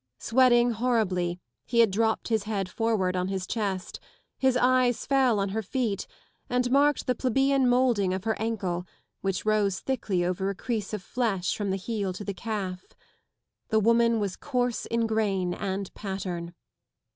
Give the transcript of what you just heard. Sweating horribly, he had dropped his head forward on his chest : his eyes fell on her feet and marked the plebeian moulding of her ankle, which rose thickly over a crease of Sesh from the heel to the calf. The woman was coarse in grain and pattern.